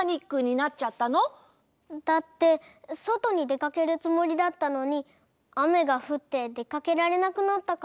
だってそとにでかけるつもりだったのにあめがふってでかけられなくなったから。